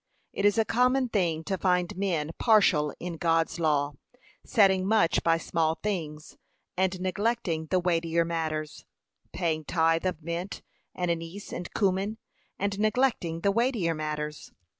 It is a common thing to find men partial in God's law, setting much by small things, and neglecting the weightier matters, paying tithe of mint, and anise, and cummin, and neglecting the weightier matters.